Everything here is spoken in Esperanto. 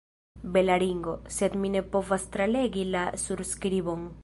Bela ringo, sed mi ne povas tralegi la surskribon.